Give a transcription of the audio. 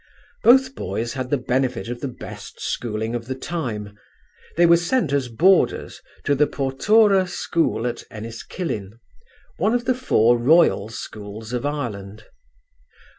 Both boys had the benefit of the best schooling of the time. They were sent as boarders to the Portora School at Enniskillen, one of the four Royal schools of Ireland.